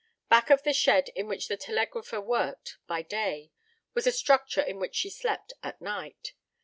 Back of the shed in which the telegrapher worked by day was a structure in which she slept at night.